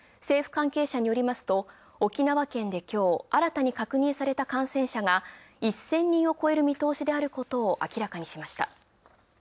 政府関係者によりますと沖縄県で今日、新たに確認された感染者が１０００人を超える見通しであることを明らかにしました。